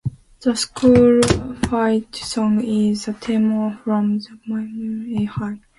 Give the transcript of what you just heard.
The school fight song is the theme from the movie Hang 'Em High.